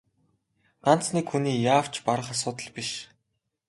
Ганц нэг хүний яавч барах асуудал биш.